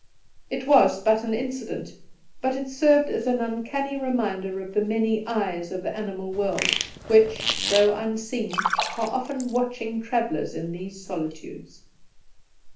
It was but an incident, but it served as an uncanny reminder of the many eyes of the animal world, which, though unseen, are often watching travellers in these solitudes.